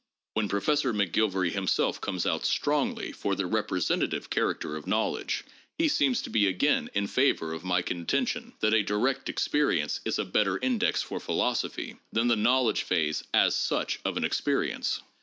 When Professor McGilvary himself comes out strongly for the representative character of knowledge, he seems to be again in favor of my contention that a direct experience is a better index for philosophy than the knowledge phase as such of an experience.